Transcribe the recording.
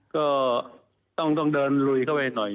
ก็ต้องเดินลุยเข้าไปหน่อย